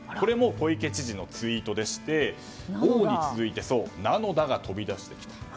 これも小池知事のツイートでして「おう。。」に続いて「なのだ。」が飛び出してきた。